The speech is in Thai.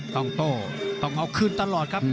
โต้ต้องเอาคืนตลอดครับ